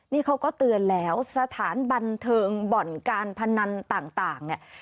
นี่เขาก็เตือนแล้วสถานบันเทิงบ่อนการพนันต่างเนี่ย